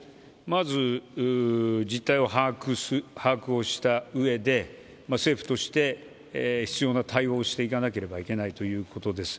まず、実態を把握したうえで政府として必要な対応をしていかなければならないということです。